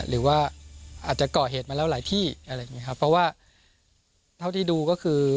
หรือว่าอาจจะเกาะเหตุมาแล้วหลายที่อะไรอย่างเงี้ครับเพราะว่าเท่าที่ดูก็คือ